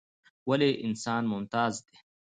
ولې انسان ممتاز دى؟